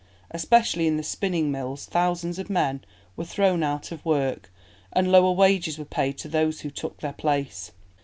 Especially in the spinning mills thousands of men were thrown out of work, and lower wages were paid to those who took their place.